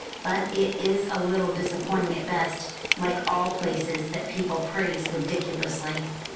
But it is a little disappointing at best, like all places that people praise ridiculously.